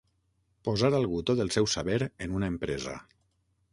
Posar algú tot el seu saber en una empresa.